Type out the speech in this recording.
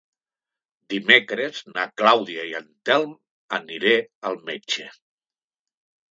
Dimecres na Clàudia i en Telm aniré al metge.